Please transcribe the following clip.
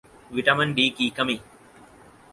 vitamin D کی کمی